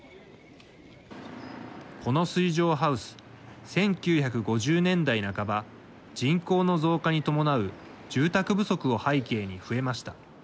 この水上ハウス１９５０年代半ば人口の増加に伴う住宅不足を背景に増えました。